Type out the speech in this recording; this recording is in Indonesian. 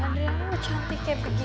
adriana mau cantiknya pergi